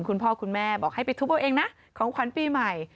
คุณพ่อคุณแม่บอกให้ไปทุบเอาเองนะของขวัญปีใหม่